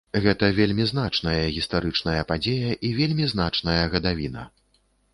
Гэта вельмі значная гістарычная падзея і вельмі значная гадавіна.